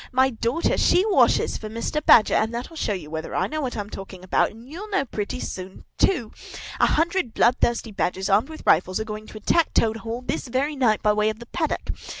My daughter, she washes for Mr. Badger, and that'll show you whether I know what I'm talking about; and you>'ll know pretty soon, too! A hundred bloodthirsty badgers, armed with rifles, are going to attack Toad Hall this very night, by way of the paddock.